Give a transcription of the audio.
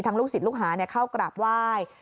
ทั้งลูกสิทธิ์ลูกหาเข้ากราบไหว้